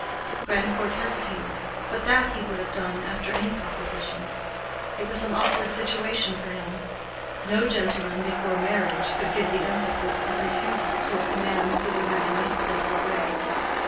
Grandcourt hesitated; but that he would have done after any proposition. It was an awkward situation for him. No gentleman, before marriage, could give the emphasis of refusal to a command delivered in this playful way.